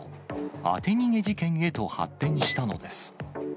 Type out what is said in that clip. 当て逃げ事件へと発展したのです。